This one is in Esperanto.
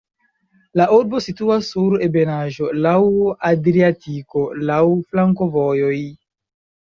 La urbo situas sur ebenaĵo, laŭ Adriatiko, laŭ flankovojoj.